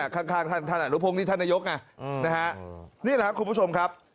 ข้างท่านท่านอนุพงศ์นี่ท่านนายกไงนะฮะนี่แหละครับคุณผู้ชมครับ